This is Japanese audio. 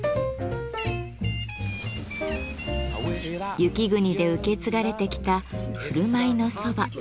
雪国で受け継がれてきた「振る舞いの蕎麦」。